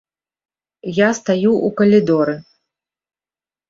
Я стаю ў калідоры.